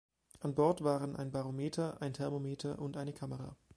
An Bord waren ein Barometer, ein Thermometer und eine Kamera.